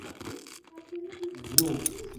রমেন তোমাকে আশ্রয় দেবে!